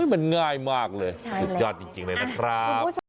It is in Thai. มันง่ายมากเลยสุดยอดจริงเลยนะครับ